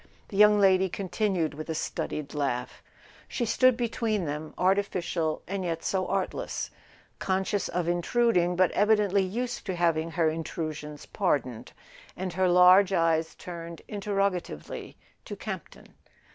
the young lady continued with a studied laugh. She stood between them, artificial and yet so artless, conscious of intruding but evidently used to having her intru¬ sions pardoned; and her large eyes turned interrog¬ atively to Campton.